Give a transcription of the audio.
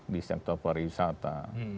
di sektor pariwisata